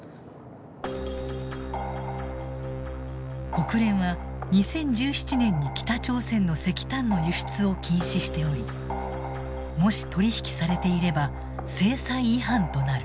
国連は２０１７年に北朝鮮の石炭の輸出を禁止しておりもし取り引きされていれば制裁違反となる。